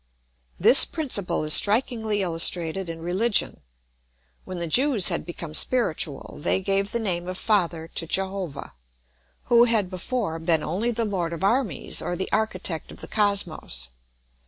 This principle is strikingly illustrated in religion. When the Jews had become spiritual they gave the name of Father to Jehovah, who had before been only the Lord of Armies or the architect of the cosmos.